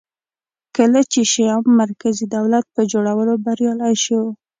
کله چې شیام مرکزي دولت په جوړولو بریالی شو